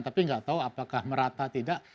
tapi tidak tahu apakah merata atau tidak